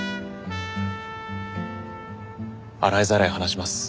洗いざらい話します。